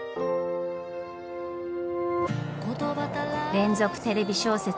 連続テレビ小説